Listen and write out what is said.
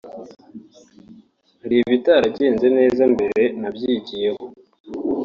Hari ibitaragenze neza mbere nabyigiyeho